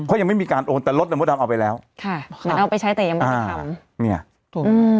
เพราะยังไม่มีการโอนแต่รถอ่ะมดดำเอาไปแล้วค่ะเหมือนเอาไปใช้แต่ยังไม่ได้ทำเนี่ยถูกอืม